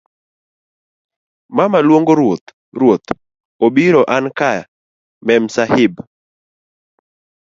mama luongo ruoth ruoth. obiro anka Memsahib.